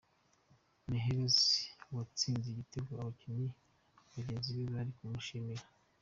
Meherez watsinze igitego abakinnyi bagenzi be bari kumushimira